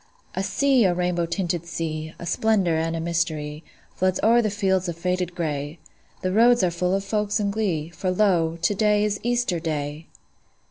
A sea, a rainbow tinted sea, A splendor and a mystery, Floods o'er the fields of faded gray: The roads are full of folks in glee, For lo, to day is Easter Day!